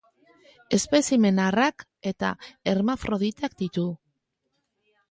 Espezimen arrak eta hermafroditak ditu.